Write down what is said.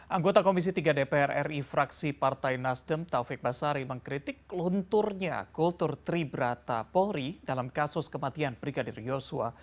anggota komisi tiga dpr ri fraksi partai nasdem taufik basari mengkritik lunturnya kultur tribrata polri dalam kasus kematian brigadir yosua